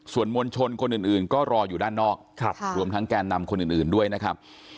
ส่วนมวลชนคนอื่นก็รออยู่ด้านนอกรวมทั้งแกนนำคนอื่นด้วยนะครับ